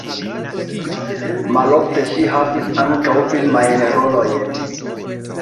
Malofte ŝi havis ankaŭ filmajn rolojn.